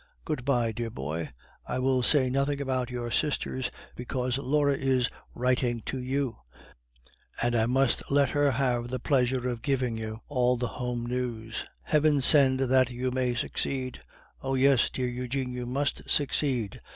Good bye, dear boy; I will say nothing about your sisters, because Laure is writing to you, and I must let her have the pleasure of giving you all the home news. Heaven send that you may succeed! Oh! yes, dear Eugene, you must succeed.